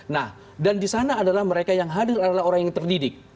nah dan di sana adalah mereka yang hadir adalah orang yang terdidik